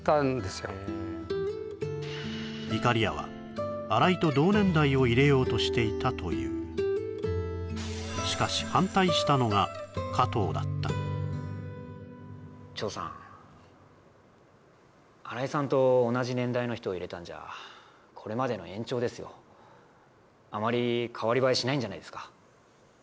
いかりやは荒井と同年代を入れようとしていたというしかし長さん荒井さんと同じ年代の人を入れたんじゃこれまでの延長ですよあまり代わり映えしないんじゃないですか？